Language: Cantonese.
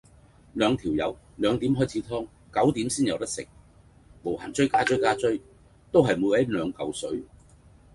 兩條友兩點開始劏九點先有得食，無限追加追加追，都係每位兩舊水